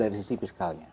dari sisi fiskalnya